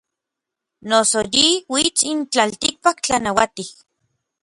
Noso yi uits n tlaltikpak tlanauatij.